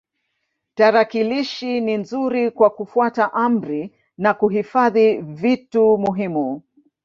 Tarakilishi ni nzuri kwa kufuata amri na kuhifadhi vitu muhimu.